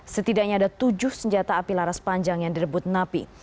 setidaknya ada tujuh senjata api laras panjang yang direbut napi